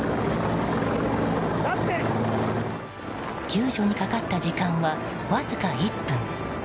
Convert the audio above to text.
救助にかかった時間はわずか１分。